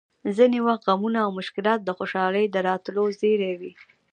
ځینې وخت غمونه او مشکلات د خوشحالۍ د راتلو زېری وي!